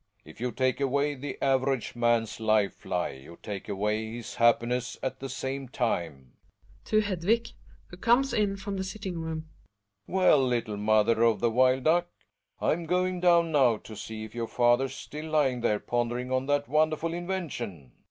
If you take away the average man's life lie you take away his happiness at the same time. {To Hedvig, who comei^ in from the sitting room.) Well, little mot her of the wild duck. I'm going down now to see if our father's still tying there pon dering on that wonderful invention.